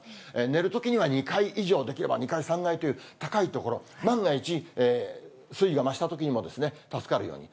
寝るときには２階以上、できれば２階、３階という高い所、万が一、水位が増したときにも助かるように。